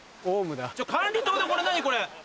管理棟で何これ。